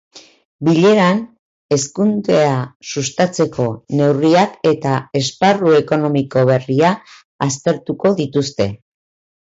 Bileran, hazkundea sustatzeko neurriak eta esparru ekonomiko berria aztertuko dituzte.